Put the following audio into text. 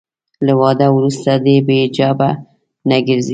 له واده وروسته دې بې حجابه نه ګرځي.